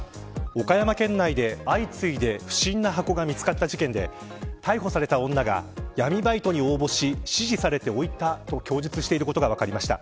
岡山県内で相次いで不審な箱が見つかった事件で逮捕された女が闇バイトに応募し指示されて置いたと供述していることが分かりました。